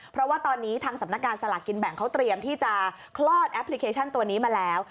เพราะว่าตอนนี้ทางสำนักงานสลากกินแบ่งเขาเตรียมที่จะคลอดแอปพลิเคชันตัวนี้มาแล้ว